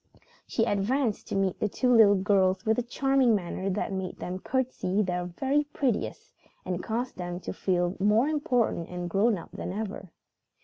She advanced to meet the two little girls with a charming manner that made them curtsey their very prettiest and caused them to feel more important and grown up than ever.